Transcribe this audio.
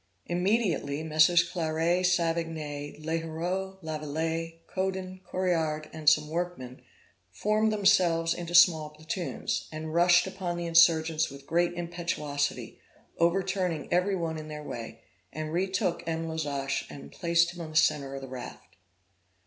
Immediately MM. Clairet, Savigny, L'Heureux, Lavilette, Coudin, Correard, and some workmen, formed themselves into small platoons, and rushed upon the insurgents with great impetuosity, overturning every one in their way, and retook M. Lozach, and placed him on the centre of the raft.